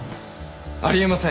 あり得ません。